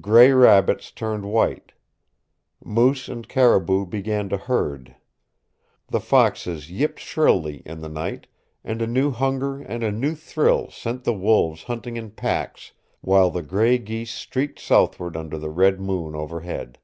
Gray rabbits turned white. Moose and caribou began to herd. The foxes yipped shrilly in the night, and a new hunger and a new thrill sent the wolves hunting in packs, while the gray geese streaked southward under the red moon overhead.